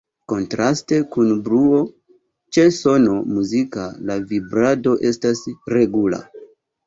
Kontraste kun bruo, ĉe sono muzika la vibrado estas regula.